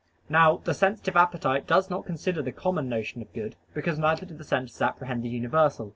Now the sensitive appetite does not consider the common notion of good, because neither do the senses apprehend the universal.